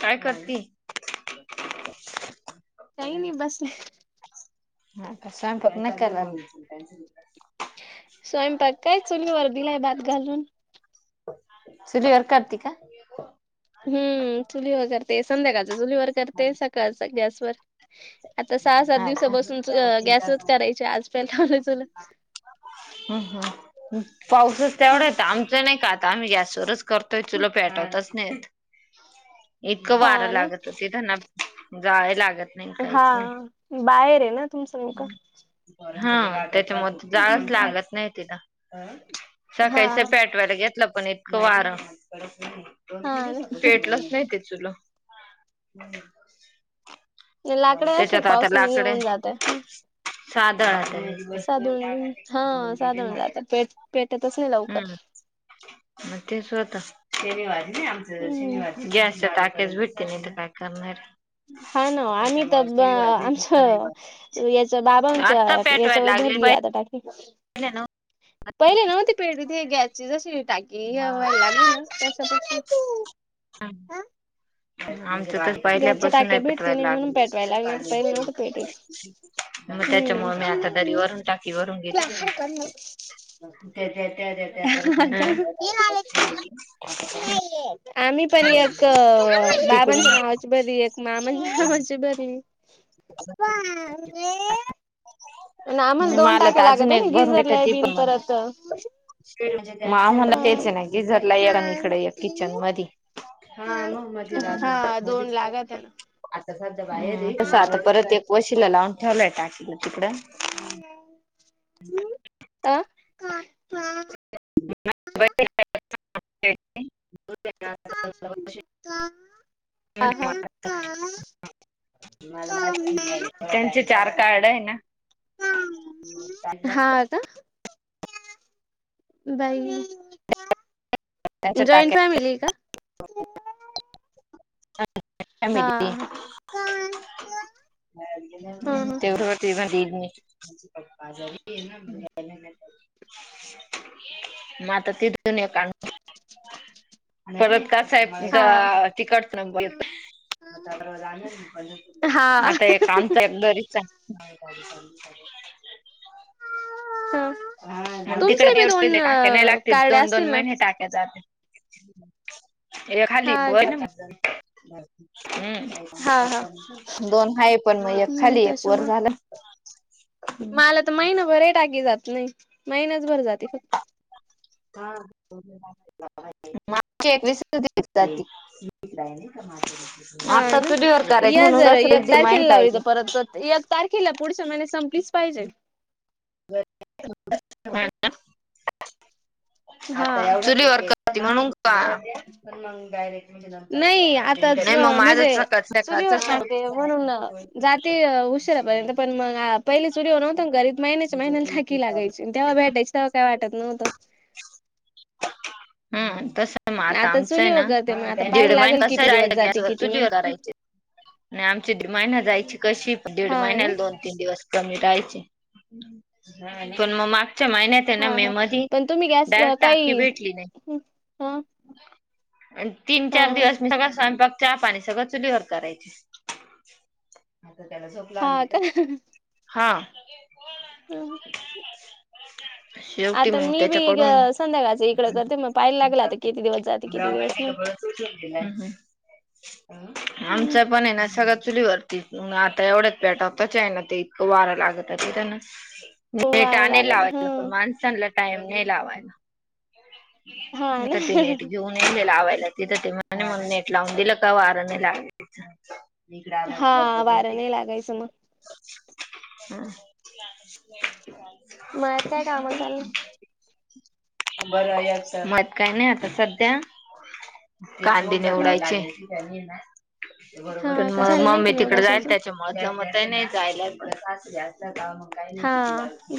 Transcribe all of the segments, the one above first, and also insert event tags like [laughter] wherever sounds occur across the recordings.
काय करती? काही नाही बसले. हो. स्वयंपाक नाही करणार का? स्वयंपाक काय चुलीवर दिलाय भात घालून. चुलीवर करती का? हम्म. चुलीवर करते संध्याकाळच चुलीवर करते. सकाळचा गॅसवर. आता सहा-सात हा का दिवसापासून गॅसवरच करायची. आज पहिला लावलं चूल. हम हम. पाऊसच तेवढ आहे. आमचं नाही का आता आम्ही गॅसवरच करतोय. चूला पेटतच नाही. इतकं हा वारं ना लागत ते त्यांना, जाळ लागत. नाही हा. काहीच नाही. बाहेर आहे ना. तुमचं नेमकं. हा त्याच्यामध्ये जाळच लागत नाही तिला. हा सकाळीच पेटवायला घेतलं पण इतकं वारं हा ना पेटलच नाही ते चुलं. लाकडे असे त्याच्यात आता पावसाने लाकडे येऊन जातय. साधळ ते. साधूळ हा साधण जातात. पे पेटतच नाही लवकर. हम्म मग ते स्वत शनिवारी नाही आम हम्म. शनिवारी. गॅस टाक्याच भेटती नाही. तर काय करणारे. हा ना. आम्ही तर आमच याच बाबांच आत्ता पेटवायला याच्यावर लागले भरली आता टाकी [unintelligible] पहिले नव्हती भेटती. गॅसची जशी टाकी हे व्हाय लागली तस तू. [unintelligible] आमचं तर गॅसच्या पहिल्यापासून टाक्या नाही भेटती नाय पेटवायला म्हणून पेटवायला लागल्यानं लागलं पहिले नव्हते पेटवत. मग हम्म त्याच्यामुळे मी थांब आता दरी मम्मी वरून टाकी वरून तुला घेते. हडकंन लावते. हा का नाईये. आम्ही पण एक बाबांच्या तिकडून नावाची बरी एक मामांच्या नावाची बरी. [unintelligible] पण आम्हाला दोन मला तर टाक्या अजून लागत्यांना एक गिझरला बिणं परत म आम्हाला हा तेच ए ना गिझरला एक आणि हिकडं एक किचन मधी. हा म मधी राहेत हा दोन मधिच लागत ना आताध सध्या बाहेर ए, तसं आता परत एक वशीला लावून ठेवलाय टाकीलं तिकडं. [inaudible] आ? [unintelligible] [unintelligible] हा हा त्यांचे चार कार्ड आहे ना? हा का बाई. त्यांच्या जॉईंट टाक्या फॅमिली ए का? आम्ही हा ते ह [inaudible] ते भरीगणी म आता ते परत कसांय हा गा -तिकट हा आता एक आमचा लरीचा. हम् आणि तिकडे तुमचे काय बी दोन कार्डे असतील ना? ए खाली. हा का हम्म हा हा दोन हाय पण मग एक हम्म खाली एक वर त्याच्यामुळे झालं. हम्. महिनाभरे टाकी जात नाय महिनाच भर जाते फ हा. एकवीसच दिवस जाती. हा आता ना चुलीवर करायच या म्हणून जर कस एक रिद्धीमायन तारखेला लावली तर पाहिजे. परत एक तारखीला पुढच्या महिन्यात संपलीच पाहिजे. हा चुलीवर कर म्हणून का, पण मग डायरेक्ट नाही आताच नाय म माझं म्हणजे चका- चुलीवर चकाचेच हाय. करते म्हणून जाते उशिरा पर्यंत पण मग पहिली चुली बनवता घरी महिन्याच्या महिन्याला टाकी लागयची तेव्हा भेटायची तेव्हा काय वाटत नव्हतं. हम् तसा म -आता आमचं हाय चुलीवर करते मग आता ना पाहायला दीड लागेल माहिना कस किती दिवस जाईचा जाते गॅसवर किती नाही चुलीवर करायचे. नाय आमची महिना जायची कशी दीड हा ना महिन्याला दोन तीन दिवस कमी रायची पण म -मागच्या महिन्यात त्यांना हा मे हा मधी पण तुम्ही गॅस डायरेक्ट टाकी काही भेटली नाय. हा आणि तीन हा चार दिवस मी सगळ स्वयंपाक चहा पाणी सगळं चुलीवर करायची. आता त्याला झोप लागली का? हा. [unintelligible] [inaudible] [inaudible] शेवटी आता मग मी बी त्याच्याकडून संध्याकाळच इकडं करते मग पाहाय लागलं आता किती दिवस जाते किती दिवस नाही. हू हू, आमच पण हेना सगळ चुलीवरती म आता एवढ्यात पेटवतो चाय ना ते वारं लाग त तिथन वारं नेटाने लागत ह लावायला पण माणसांला टाइम नाही लावायला हा आता ते ना नेट घेऊन येले लावायला तिथं ते म मला नेट लावून दिलं का वार नाही लाग हा वारं नाही लागायचं म. [inaudible] मळ्यात काय काम चाली? मळ्यात काय नाही आता सध्या कांदे हम्म. निवडायचे. हा पण का म झाले नाही मम्मी का तिकड निवडायचे जाईल अजून? त्याच्या आता म ते नाही जायला हा.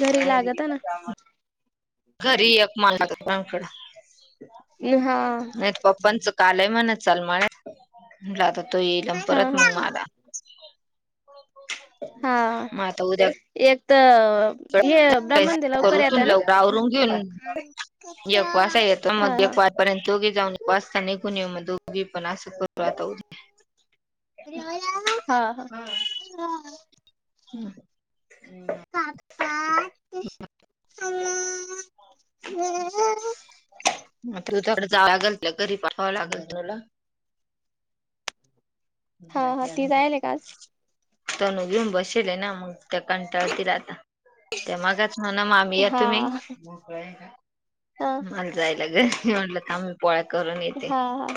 घरी लागत ना. घरी एक [unintelligible] हा. नाही त पप्पांचं कालय म्हण चाल मळ्यात म्हटलं आता तो येईल हा परत मंग हा. मला हा मग आता उद्या एक त हे ब्राह्मण ते करू लवकर येत उठून ना? लवकर आवरून घेऊन एकवासता येतो म हा हा. एक वा पर्यंत दोघी जाऊन वाजता निघून येऊ म दोघी पण आसं करू आता उद्या हा हा, हा [inaudible] हू हू, पापा [unintelligible] [inaudible] म तूला [unintelligible] जावं लागल म्हणलं घरी पाठवावं लागल तुला हा हा ती जायेले का आज? तणू घेऊन बशिलेना मंग त्या कंटाळतील आता. ते मगाच म्हण मामी या हा. तुम्ही मोकळे हाय का? हा. मलां जायला घरी म्हटलं थांब पोळ्या करून येते. हा हा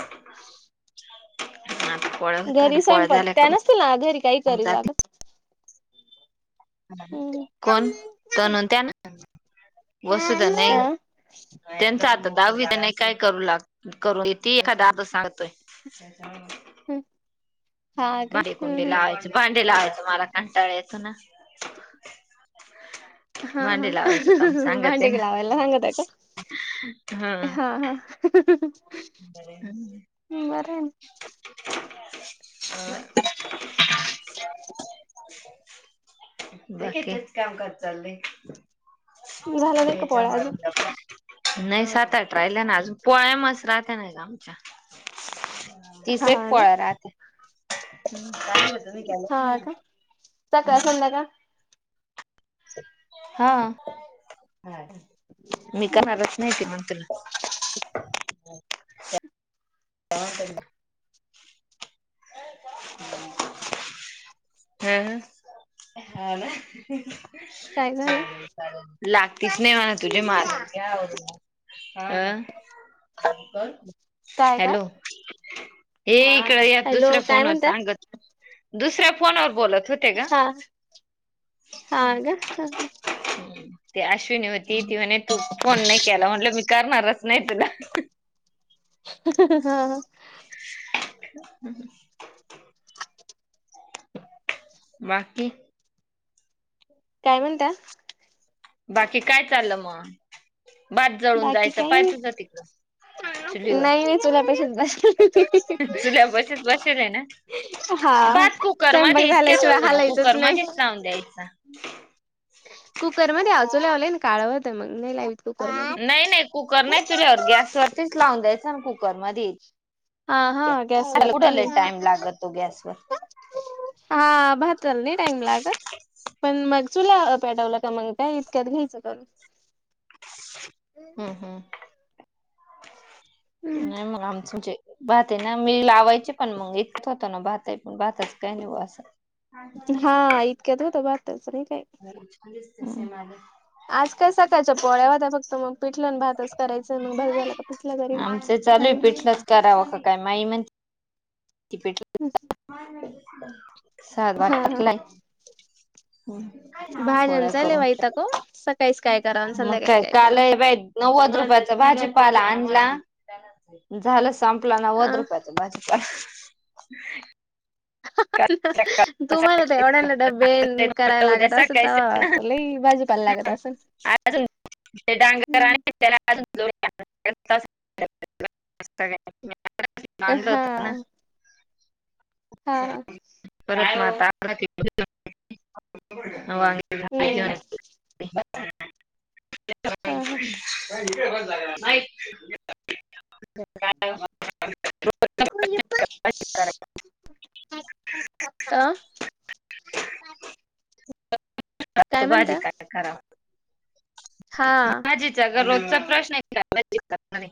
आता पोळ्या होत आलं पोळ्या झाल्या का म हिला घरी काय [unintelligible] लागत हम्म. कोण तणून त्यान वसुदा नाही हा त्यांच आता दहावीत तेन नाही काय करू लाग करू देती एखादा [unintelligible] सांगतोय हू भांडी कुंडी लावाय भांडे लावायचं मला कंटाळा येतो ना. हा हा. भांडे लावायचं काम सांगते भांडे ना लावायला सांगत आहे का? हा. [unintelligible] हम्म बरं आहे अ [inaudible] बाकी हिताचं कामकाज चालय झालं नाही का पोळ्या अजून [unintelligible] नाय सात-आठ राहिला ना अजून पोळया मस राहत नाय ग आमच्या तीस हा एक ना पोळ्या राहत्या, हूं ताईनला तुम्ही केला की हा नाय म का सकाळ संध्याकाळ हा हा मी करणारच नाय ती म्हणती मी हा पडला हं हा ना काय झालं चाललं चाललं लागतीच नाय मला तुझे मार घ्या आवरून मग आ कोणं काय काय हॅलो हे इकड या हॅलो दुसऱ्या काय फोनवर म्हणता सांगत दुसऱ्या फोनवर बोलत होत हा हा का हं-हं ती अश्विनी होती ती म्हणे तू फोन नाय केला म्हटलं मी करणारच नाय तुला हा हूं हूं बाकी काय म्हणता? बाकी काय चाललं मंग भात जळून बाकी जायचं काही पाय नाही तुझा तिकडं चुलीवर नाही नाही चुलापेक्षा चुल्या पाशीच बशीले न हा भात कुकर स्वयंपाक मधी इतक्यात झाल्याशिवाय होतो ना हालायचंच कुकर नाही मध्येच लावून द्यायचा. कुकर मध्ये आओ चुल्यावर लय न काळ होत मंग नाय लाववीत कुकरम नाही नाही कुकर नाय चुल्यावर गॅसवरतीच लावून द्यायचा ना कुकर मधी हा हा त्याला कुड गॅसवरती लय टाईम लागतो गॅसवर हा भाताला नाई टाईम लागत. पण मग चुला पेटवला का मंग काय इतक्यात घ्यायचं करून हं नाय म आमच म्हजे भात ये ना मी लावायचे पण मग एकच होतो ना भात ये पण भाताच काय नाय ओ असं हा इतक्यात होतो भाताच नाही काय [unintelligible] आज काय सकाळच्या पोळ्या व्हत्या फक्त मग पिठलं भातच करायचंय मग भात झाला का पिठल करीन. ते चालूये पिठलंच करावं का काय माई म्हण की पिट-सा भात हा हा टाकलाय [unintelligible] गोळा भाज्यांचा लय करून वैताग ओ सकाळीच काय करावं आणि मग संध्याकाळी काय काल करावं ही बाय नव्वद रुपयाच भाजी पाला आणला. झालं संपला नव्वद अ रुपयाच भाजी [unintelligible] तुम्हाला त एवढ्याना डब्बे नं करायला उद्या लागत असल सकाळी तवा लई भाजीपाला लागत असल. अजून-ते डांगर आणलं - त्याला अजून [unintelligible] सगळ्या [inaudible] हा आणंल होत ना हा हा परत म आता [unintelligible] वां हम्म हा हा [unintelligible] [unintelligible] [unintelligible] अ काय आता भाजी म्हणता काय करावा. हा सगळा रोजचा प्रश्न ये काय भाजी करणार ये